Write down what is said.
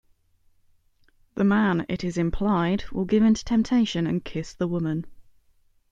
The man, it is implied, will give in to temptation and kiss the woman.